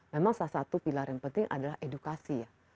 memang salah satu pilar yang penting adalah edukasi ya